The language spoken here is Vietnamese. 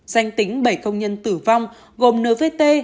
danh tính bảy công nhân tử vong gồm nvt